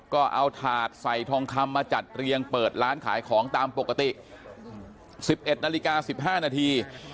ก็เอาถาดใส่ทองคำมาจัดเรียงเปิดร้านขายของตามปกติ๑๑นาฬิกา๑๕นาที